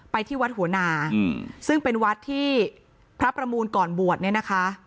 ที่วัดหัวนาซึ่งเป็นวัดที่พระประมูลก่อนบวชเนี่ยนะคะ